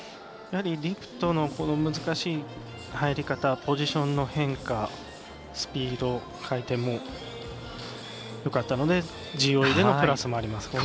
やはりリフトの難しい入り方ポジションの変化スピード、回転もよかったのでＧＯＥでのプラスもあります。